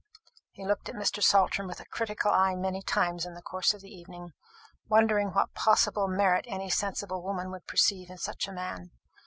He looked at Mr. Saltram with a critical eye many times in the course of the evening, wondering what possible merit any sensible woman could perceive in such a man.